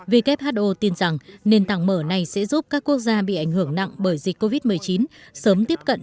who tin rằng nền tảng mở này sẽ giúp các quốc gia bị ảnh hưởng nặng bởi dịch covid một mươi chín sớm tiếp cận